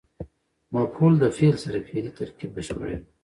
مفعول د فعل سره فعلي ترکیب بشپړوي.